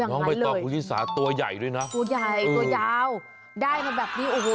น้องใบตองคุณชิสาตัวใหญ่ด้วยนะตัวใหญ่ตัวยาวได้มาแบบนี้โอ้โห